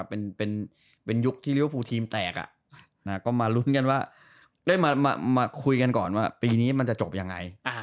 เป็นยุคที่ริวฟูทีมแตกก็มาลุ้นกันว่าได้มาคุยกันก่อนว่าปีนี้มันจะจบยังไง